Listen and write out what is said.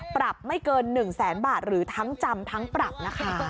ปรับไม่เกิน๑แสนบาทหรือทั้งจำทั้งปรับนะคะ